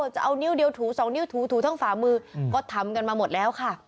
จะเอานิ้วเดียวถู๒นิ้วถูทั้งฝ่ามือก็ทำกันมาหมดแล้วค่ะ